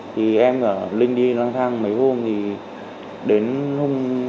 thì em ở linh đi lang thang mấy hôm thì đến hôm